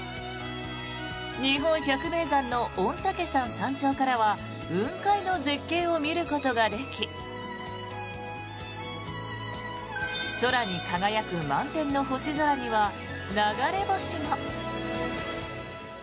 日本百名山の御嶽山山頂からは雲海の絶景を見ることができ空に輝く満天の星空には流れ星も。